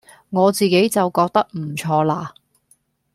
我自己就覺得唔錯啦